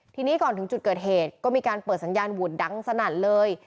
ทีนี้ก่อนถึงจุดเกิดเหตุก็มีการเปิดสัญญาณหวุดดังสนั่นเลย